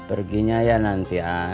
oh ini dia